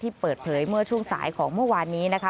เปิดเผยเมื่อช่วงสายของเมื่อวานนี้นะคะ